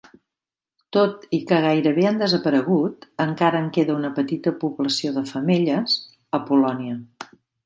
Tot i que gairebé han desaparegut, encara en queda una petita població de femelles a Polònia.